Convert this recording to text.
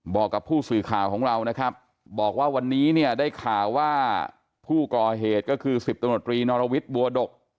บอกกับผู้สื่อข่าวของเราว่าวันนี้ได้ข่าวว่าผู้กล้าเหตุก็คือ๑๐ตำรวจปรีนอโลวิชบัวดก